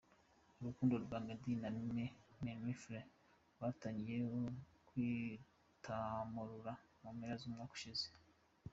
Urukundo rwa Meddy na Mimi Mehfira rwatangiye kwitamurura mu mpera z’umwaka ushize.